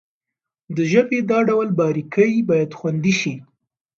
د ژبې دا ډول باريکۍ بايد خوندي شي.